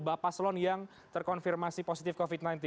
bapak paslon yang terkonfirmasi positif covid sembilan belas